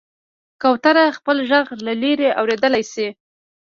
کوتره خپل غږ له لرې اورېدلی شي.